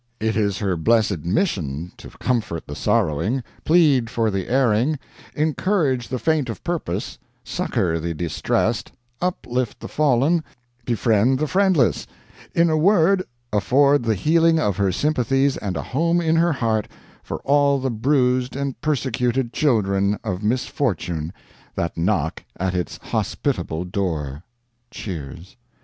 It is her blessed mission to comfort the sorrowing, plead for the erring, encourage the faint of purpose, succor the distressed, uplift the fallen, befriend the friendless in a word, afford the healing of her sympathies and a home in her heart for all the bruised and persecuted children of misfortune that knock at its hospitable door. [Cheers.